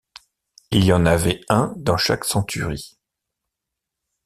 Il y en avait un dans chaque centurie.